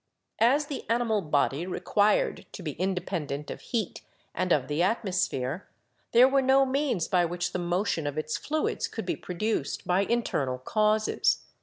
As the animal body required to be independent of heat and of the atmosphere, there were no means by which the motion of its fluids could be produced by internal causes.